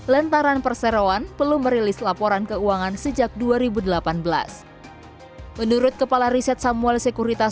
lantaran perseroan perlu merilis laporan keuangan sejak dua ribu delapan belas menurut kepala riset samuel sekuritas